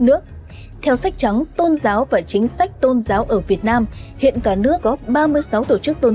nước theo sách trắng tôn giáo và chính sách tôn giáo ở việt nam hiện cả nước có ba mươi sáu tổ chức tôn